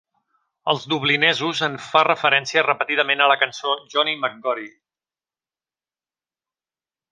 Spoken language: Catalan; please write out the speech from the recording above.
Els dublinesos en fa referència repetidament a la cançó "Johnny McGory".